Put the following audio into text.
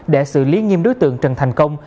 để xử lý nghiêm đối tượng trần thành công